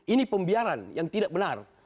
ini pembiaran yang tidak benar